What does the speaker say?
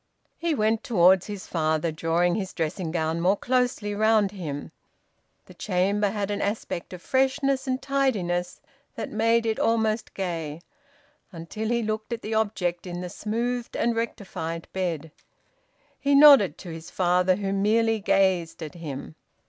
He went towards his father, drawing his dressing gown more closely round him. The chamber had an aspect of freshness and tidiness that made it almost gay until he looked at the object in the smoothed and rectified bed. He nodded to his father, who merely gazed at him.